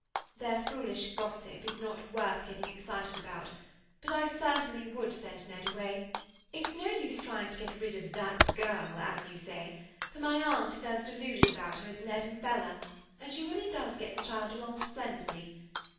"Their foolish gossip is not worth getting excited about, but I certainly would send Ned away. It's no use trying to get rid of 'that girl,' as you say, for my aunt is as deluded about her as Ned and Bella, and she really does get the child along splendidly.